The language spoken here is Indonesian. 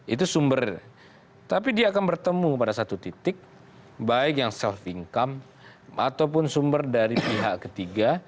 itu sumber tapi dia akan bertemu pada satu titik baik yang self income ataupun sumber dari pihak ketiga